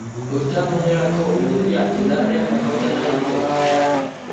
Urte amaierarako neurria indarrean egotea nahi dute.